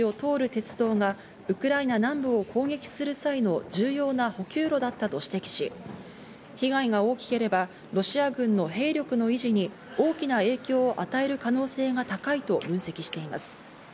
鉄道がウクライナ南部を攻撃する際の重要な補給路だったと指摘し、被害が大きければロシア軍の兵力の維持に大きな影響を与える可能性が高いと分析しています。